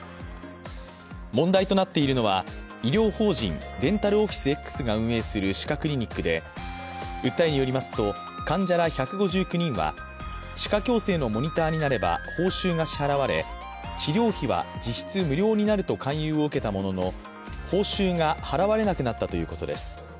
問題となっているのは医療法人デンタルオフィスＸが運営する歯科クリニックで訴えによりますと、患者ら１５９人は歯科矯正のモニターになれば報酬が支払われ、治療費は実質無料になると勧誘を受けたものの報酬が払われなくなったということです。